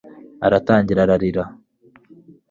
Aratangira arirahira